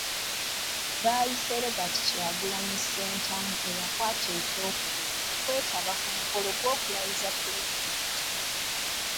Bayise Robert Kyagulanyi Ssentamu eyakwata ekyokubiri okwetaba ku mukolo gw'okulayiza Pulezidenti w'eggwanga.